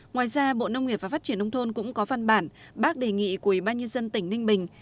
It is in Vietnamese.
ngoài ra bộ nông nghiệp và phát triển nông thôn cũng có văn bản bác đề nghị của ủy ban nhân dân tỉnh ninh bình